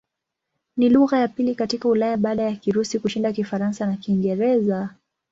Ni lugha ya pili katika Ulaya baada ya Kirusi kushinda Kifaransa na Kiingereza.